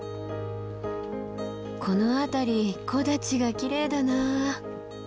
この辺り木立がきれいだな。